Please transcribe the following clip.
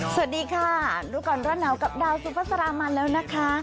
สวัสดีค่ะลูกก่อนร่านนาวกับดาวซุฟาสรามมาแล้วนะคะ